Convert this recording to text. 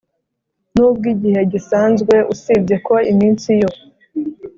N ubw igihe gisanzwe usibye ko iminsi yo